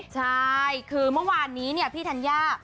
ใช่คือเมื่อวานนี้พี่ธัญญา